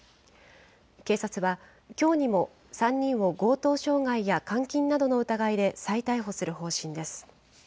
警察は、きょうにも３人を強盗傷害や監禁などの疑いで再逮捕する方針です。